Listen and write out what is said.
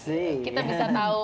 sebentar lagi kita tahu